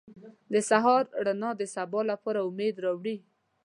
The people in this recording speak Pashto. • د سهار رڼا د سبا لپاره امید راوړي.